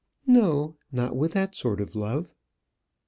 "No; not with that sort of love."